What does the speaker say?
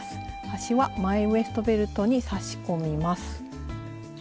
端は前ウエストベルトに差し込みます。